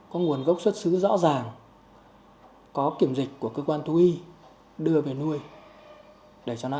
có nguồn gốc xuất xứ rõ ràng có kiểm dịch của cơ quan thu y đưa về nuôi để cho nó an toàn